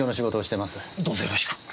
どうぞよろしく。